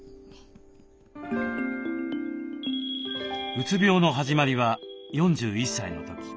うつ病の始まりは４１歳の時。